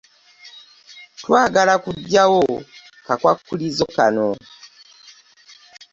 Twagala kuggyawo kakwakkulizo kano.